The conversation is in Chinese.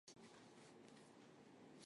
他还是不时去摸摸小孩